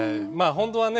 本当はね